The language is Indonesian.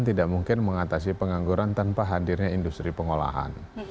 tidak mungkin mengatasi pengangguran tanpa hadirnya industri pengolahan